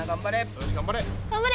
よし頑張れ！